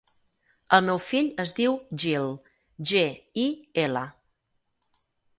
El meu fill es diu Gil: ge, i, ela.